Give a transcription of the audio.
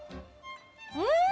うん！